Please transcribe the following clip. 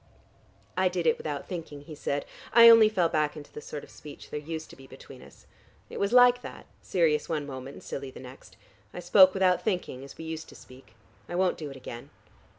'" "I did it without thinking," he said. "I only fell back into the sort of speech there used to be between us. It was like that, serious one moment and silly the next. I spoke without thinking, as we used to speak. I won't do it again."